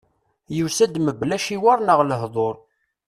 Yusa-d mebla aciwer neɣ lehdur.